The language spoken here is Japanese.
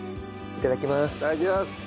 いただきます。